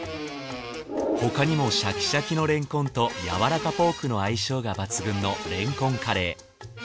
他にもシャキシャキのれんこんとやわらかポークの相性が抜群のれんこんカレー。